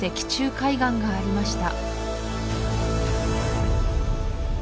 海岸がありました